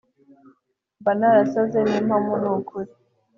Mba narasaze nimpamo nukuri..